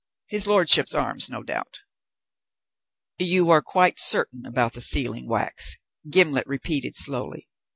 His lordship's arms, no doubt" "You are quite certain about the sealing wax?" Gimblet repeated slowly.